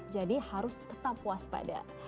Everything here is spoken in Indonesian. jadi harus tetap puas pada